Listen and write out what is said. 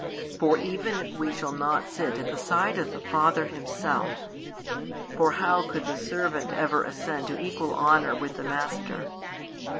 For even if we shall not sit at the side of the Father Himself, for how could the servant ever ascend to equal honour |238 with the master?